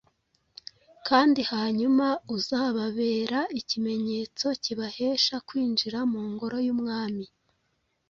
kandi hanyuma uzababera ikimenyetso kibahesha kwinjira mu ngoro y’umwami.